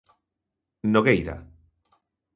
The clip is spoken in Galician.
Nogueira.